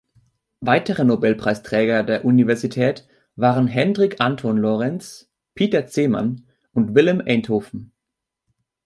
Weitere Nobelpreisträger der Universität waren Hendrik Antoon Lorentz, Pieter Zeeman und Willem Einthoven.